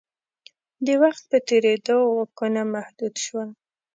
د وخت په تېرېدو واکونه محدود شول.